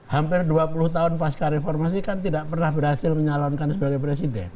hampir dua puluh tahun pasca reformasi kan tidak pernah berhasil menyalonkan sebagai presiden